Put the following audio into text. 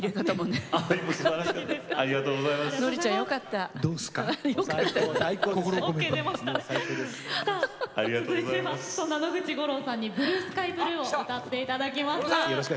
続いては野口五郎さんに「ブルースカイブルー」を披露していただきます。